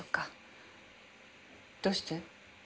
どうして？